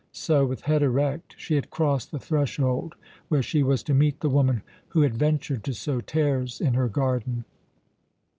So, with head erect, she had crossed the threshold where she was to meet the woman who had ventured to sow tares in her garden.